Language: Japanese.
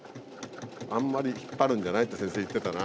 あんまり引っ張るんじゃないって先生言ってたな。